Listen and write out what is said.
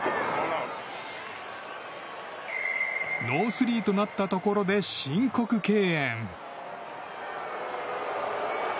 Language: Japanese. ノースリーとなったところで申告敬遠。